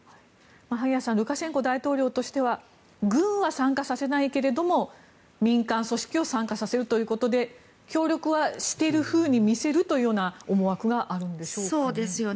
萩谷さんルカシェンコ大統領としては軍は参加させないけれども民間組織を参加させるということで協力はしているふうに見せるというような思惑があるんでしょうかね。